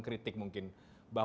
saya simpan saja